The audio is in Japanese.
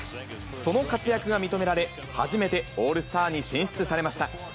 その活躍が認められ、初めてオールスターに選出されました。